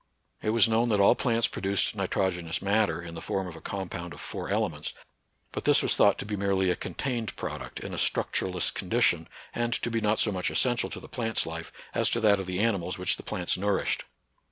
It was known that all plants produced nitrogenous matter in the form of a compound of four elements ; but this was thought to be merely a contained product, in a structureless condition, and to be not so much essential to the plant's life as to that of the animals which the plants nourished.